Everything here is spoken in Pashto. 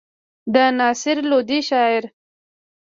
د نصر لودي شعر.